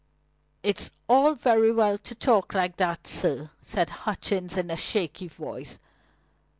"It's all very well to talk like that, sir," said Hutchings in a shaky voice.